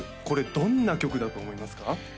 これどんな曲だと思いますか？